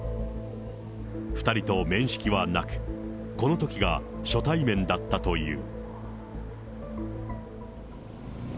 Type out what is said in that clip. ２人と面識はなく、このときが初対面だったという。